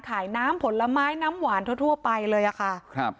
ขายน้ำผลไม้น้ำหวานทั่วไปเลยอะค่ะ